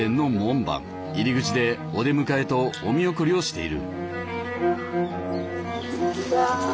入り口でお出迎えとお見送りをしている。